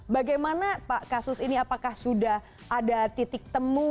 bagaimana pak kasus ini apakah sudah ada titik temu